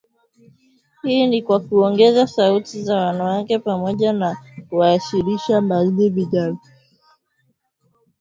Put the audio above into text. Hii ni kwa kuongeza sauti za wanawake, pamoja na kuwashirikisha zaidi vijana.